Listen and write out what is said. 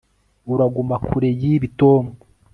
Uraguma kure yibi Tom